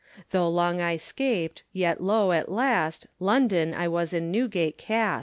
Though long I scapt, yet loe at last, London, I was in Newgate cast.